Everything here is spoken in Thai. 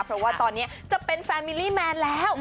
เพราะว่าตอนนี้จะเป็นแฟนมิลลี่แมนแล้ว